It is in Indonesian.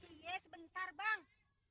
iya sebentar bang